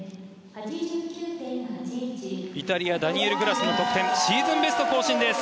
イタリアダニエル・グラスルの得点シーズンベスト更新です。